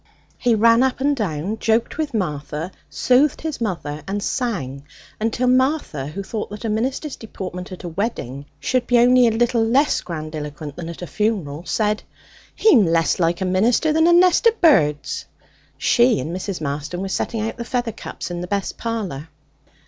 He ran up and down, joked with Martha, soothed his mother, and sang until Martha, who thought that a minister's deportment at a wedding should be only a little less grandiloquent than at a funeral, said: 'He'm less like a minister than a nest of birds.' She and Mrs. Marston were setting out the feather cups in the best parlour.